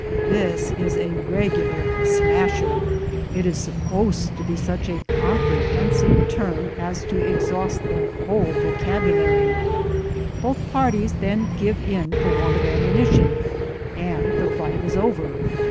This is a regular smasher; it is supposed to be such a comprehensive term as to ex haust the whole vocabulary; both parties then give in for want of ammunition, and the fight is over.